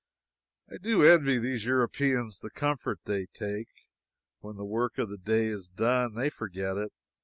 I do envy these Europeans the comfort they take. When the work of the day is done, they forget it.